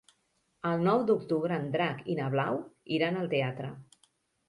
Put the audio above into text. El nou d'octubre en Drac i na Blau iran al teatre.